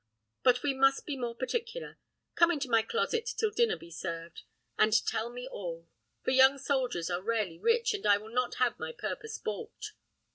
But we must be more particular: come into my closet till dinner be served, and tell me all, for young soldiers are rarely rich, and I will not have my purpose balked."